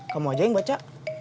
kamu aja yang baca